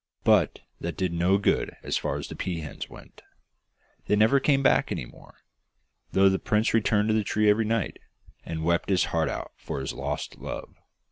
But that did no good as far as the pea hens went. They never came back any more, though the prince returned to the tree every night, and wept his heart out for his lost love.